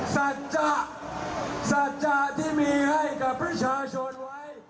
สัจจะสัจจะที่มีให้กับประชาชนไว้